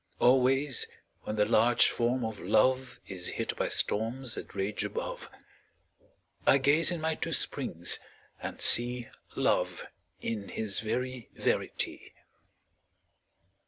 Always when the large Form of Love Is hid by storms that rage above, I gaze in my two springs and see Love in his very verity.